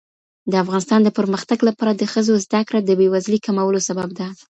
د افغانستان د پرمختګ لپاره د ښځو زدهکړه د بیوزلۍ کمولو سبب ده.